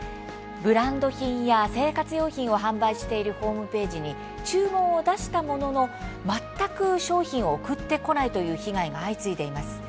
ブランド品や生活用品を販売しているホームページに注文を出したものの全く商品を送ってこないという被害が相次いでいます。